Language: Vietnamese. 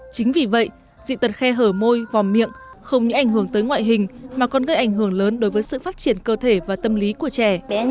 chính vì vậy dị tật khe hở môi vòng miệng không những ảnh hưởng tới ngoại hình mà còn gây ảnh hưởng lớn đối với sự phát triển cơ thể và tâm lý của trẻ